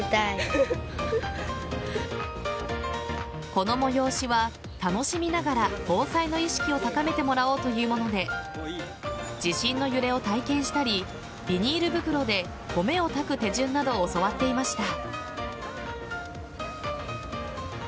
この催しは、楽しみながら防災の意識を高めてもらおうというもので地震の揺れを体験したりビニール袋で米を炊く手順などを教わっていました。